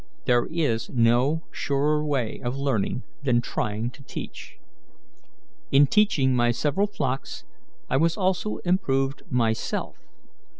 There is no surer way of learning than trying to teach. In teaching my several flocks I was also improved myself.